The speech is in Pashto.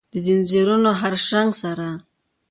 دځنځیرونو د هرشرنګ سره،